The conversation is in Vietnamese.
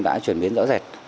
đã chuyển biến rõ rệt